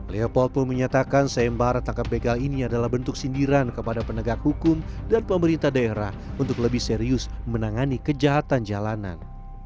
leopold pun menyatakan sayembara tangkap begal ini adalah bentuk sindiran kepada penegak hukum dan pemerintah daerah untuk lebih serius menangani kejahatan jalanan